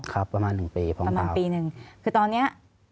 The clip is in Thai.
ประมาณหนึ่งปีประมาณปีหนึ่งคือตอนเนี้ย